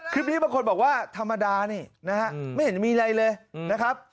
คลิปนี้บางคนบอกว่าธรรมดานี่นะฮะไม่เห็นมีอะไรเลยนะครับ